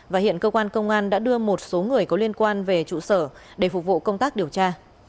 và hiện cơ quan công an đã đưa một số người có liên quan về trụ sở để phục vụ công tác điều tra